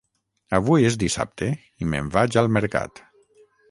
Avui és dissabte i me'n vaig al mercat